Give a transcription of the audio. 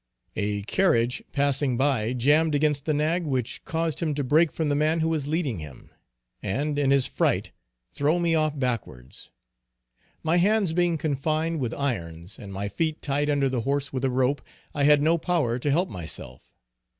A carriage passing by jammed against the nag, which caused him to break from the man who was leading him, and in his fright throw me off backwards. My hands being confined with irons, and my feet tied under the horse with a rope, I had no power to help myself.